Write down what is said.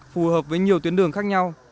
phù hợp với nhiều tuyến đường khác nhau